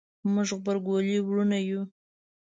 موږ غبرګولي وروڼه یو